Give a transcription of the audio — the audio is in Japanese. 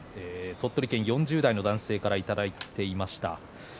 鳥取県４０代の男性からいただいていました。